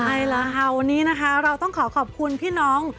เอาล่ะค่ะวันนี้นะคะเราต้องขอขอบคุณพี่น้อง